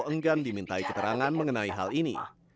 enggan dimintai keterangan mengenai hal ini